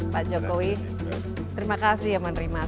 pak jokowi terima kasih ya menerima